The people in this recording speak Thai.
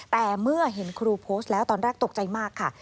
แต่เมื่อเห็นครูโพสต์แล้วตอนแรกตกใจมากค่ะ